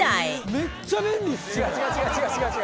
めっちゃ便利ですよ！